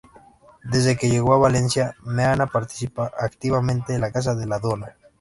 Desde que llegó a Valencia, Meana participa activamente en la Casa de la Dona.